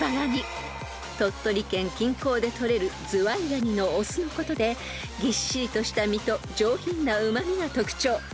［鳥取県近郊でとれるズワイガニの雄のことでぎっしりとした身と上品なうまみが特徴］